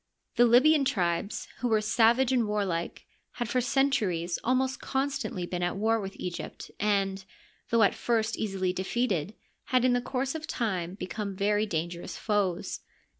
The Libyan tribes, who were savage and warlike, had for centuries almost constantly been at war with Egypt, and, though at first easily defeated, had in the course of time become very dangerous foes.